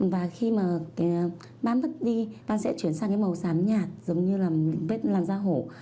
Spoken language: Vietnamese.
và khi ban mất đi ban sẽ chuyển sang màu xám nhạt giống như là bếp làm da hổ